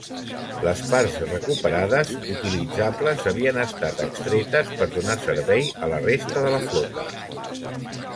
Les parts recuperades utilitzables havien estat extretes per donar servei a la resta de la flota.